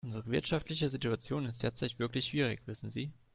Unsere wirtschaftliche Situation ist derzeit wirklich schwierig, wissen Sie.